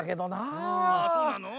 あそうなの？